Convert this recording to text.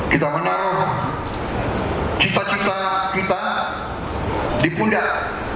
kita menaruh cita cita kita di pundak